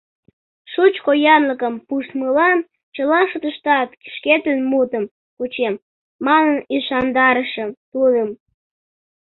Шучко янлыкым пуштмылан чыла шотыштат шкетын мутым кучем, манын ӱшандарышым тудым.